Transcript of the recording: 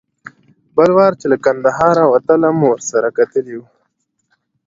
بل وار چې له کندهاره وتلم ورسره کتلي و.